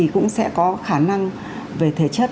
cũng sẽ có khả năng về thể chất